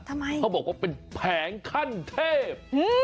เขาบอกว่าเป็นแผงขั้นเทพ